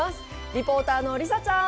リポーターのリサちゃん。